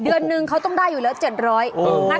เดือนนึงเขาต้องได้อยู่แล้ว๗๐๐บาท